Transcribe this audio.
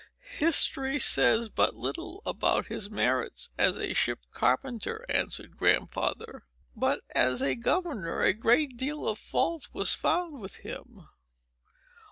"History says but little about his merits as a ship carpenter," answered Grandfather; "but, as a governor, a great deal of fault was found with him.